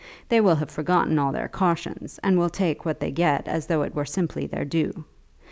They will have forgotten all their cautions, and will take what they get as though it were simply their due.